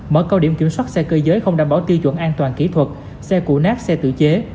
mở câu điểm kiểm soát xe cơ giới không đảm bảo tiêu chuẩn an toàn kỹ thuật xe cụ nát xe tự chế